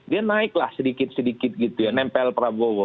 dia naiklah sedikit sedikit gitu ya nempel prabowo